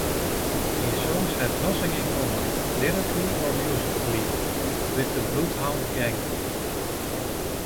These songs had nothing in common, lyrically or musically, with the Bloodhound Gang.